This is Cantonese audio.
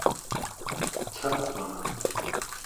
七萬